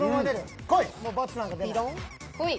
こい！×なんか出ない。